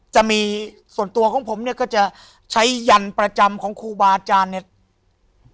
จะมีส่วนตัวของผมเนี่ยก็จะใช้ยันประจำของครูบาอาจารย์เนี่ย